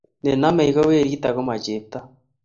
Nenomei ko werit ako ma chepto